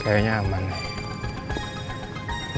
kayaknya aman nih